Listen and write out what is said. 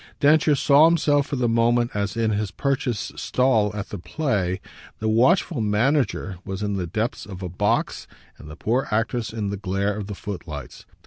Densher saw himself for the moment as in his purchased stall at the play; the watchful manager was in the depths of a box and the poor actress in the glare of the footlights.